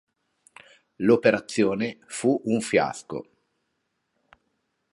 L'operazione fu un fiasco.